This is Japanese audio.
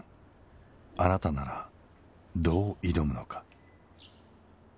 あなたならどう挑むのか。